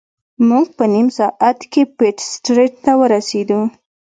موږ په نیم ساعت کې پیټ سټریټ ته ورسیدو.